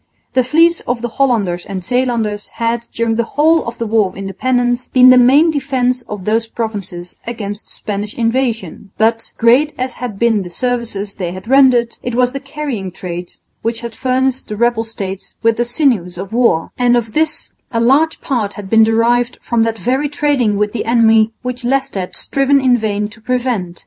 The fleets of the Hollanders and Zeelanders had during the whole of the war of independence been the main defence of those provinces against Spanish invasion; but, great as had been the services they had rendered, it was the carrying trade which had furnished the rebel states with the sinews of war, and of this a large part had been derived from that very trading with the enemy which Leicester had striven in vain to prevent.